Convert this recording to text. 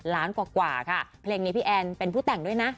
ล้านกว่าค่ะเพลงนี้พี่แอนเป็นผู้แต่งด้วยนะ